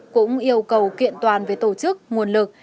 cũng yêu cầu kiện toàn về tổ chức nguồn lực